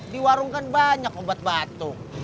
di warung kan banyak obat batuk